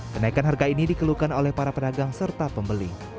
kenaikan harga ini dikeluhkan oleh para pedagang serta pembeli